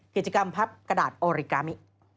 กิจกรรมพับกระดาษโอริกามิ